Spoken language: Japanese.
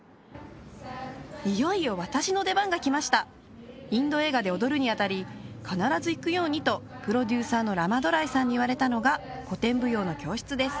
いよいよ私の出番がきましたインド映画で踊るにあたり必ず行くようにとプロデューサーのラマドライさんに言われたのが古典舞踊の教室です